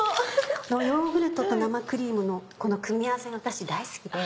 ヨーグルトと生クリームのこの組み合わせが私大好きで。